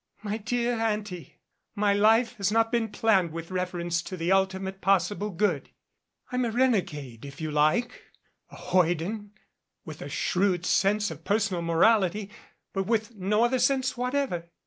"My dear Auntie, my life has not been planned with reference to the ultimate possible good. I'm a renegade if you like, a hoyden with a shrewd sense of personal morality but with no other sense whatever.